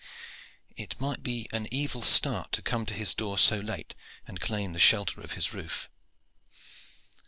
It might be an evil start to come to his door so late and claim the shelter of his roof.